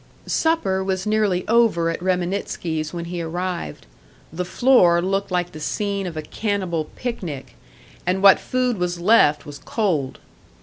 Supper was nearly over at Reminitsky's when he arrived; the floor looked like the scene of a cannibal picnic, and what food was left was cold.